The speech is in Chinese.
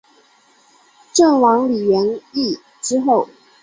郑王李元懿之后。